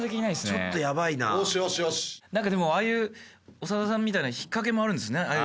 ちょっとヤバイな何かでもああいう長田さんみたいな引っ掛けもあるんですね